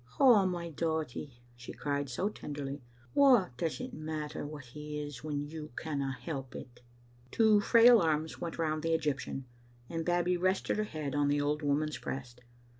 "Ah, my dawtie," she cried, so tenderly, "what does it matter wha he is when you canna help it!" Two frail arms went round the Egyptian, and Babbie rested her head on the old woman's breast.